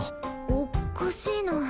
おっかしいな。